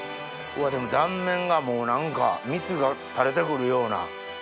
うわっでも断面が何か蜜が垂れて来るような。